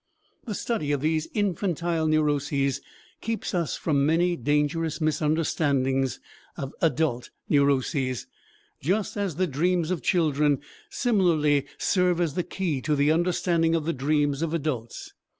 The study of these infantile neuroses keeps us from many dangerous misunderstandings of adult neuroses, just as the dreams of children similarly serve as the key to the understanding of the dreams of adults.